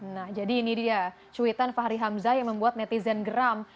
nah jadi ini dia cuitan fahri hamzah yang membuat netizen geram